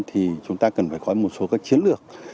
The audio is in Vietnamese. thì chúng ta cần phải có một số các chiến lược